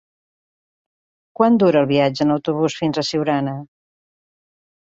Quant dura el viatge en autobús fins a Siurana?